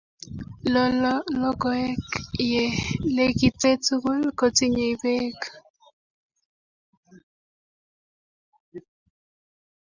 lokoek ye lekite tugul kotinyei beek